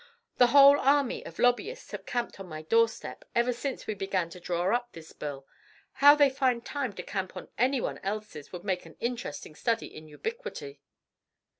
The whole army of lobbyists have camped on my doorstep ever since we began to draw up this bill. How they find time to camp on any one's else would make an interesting study in ubiquity."